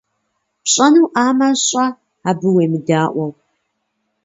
Пщӏэнуӏамэ, щӏэ, абы уемыдаӏуэу.